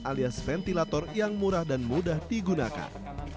alias ventilator yang murah dan mudah digunakan